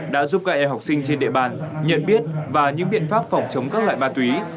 đã giúp các em học sinh trên địa bàn nhận biết và những biện pháp phòng chống các loại ma túy